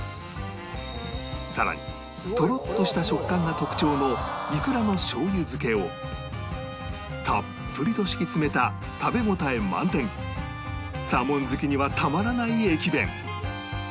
さらにとろっとした食感が特徴のイクラのしょう油漬けをたっぷりと敷き詰めた食べ応え満点サーモン好きにはたまらない駅弁